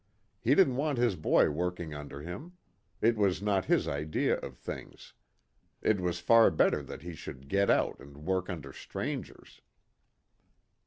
He didn't want his boy working under him; it was not his idea of things. It was far better that he should get out and work under strangers.